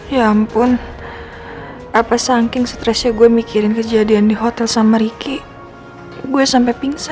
ya ampun apa saking stresnya gue mikirin kejadian di hotel sama ricky gue sampai pingsan